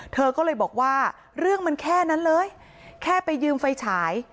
เธอก็เลยบอกว่าเรื่องมันแค่นั้นเลยแค่ไปยืมไฟฉาย